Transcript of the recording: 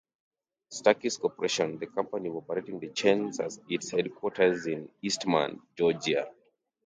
Stuckey's Corporation, the company operating the chains, has its headquarters in Eastman, Georgia.